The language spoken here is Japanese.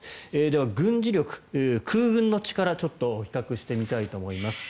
では、軍事力、空軍の力を比較してみたいと思います。